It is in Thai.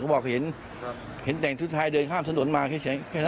เขาบอกจะเห็นแต่งทุกทหาร